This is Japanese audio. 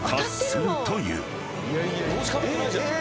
帽子かぶってないじゃん。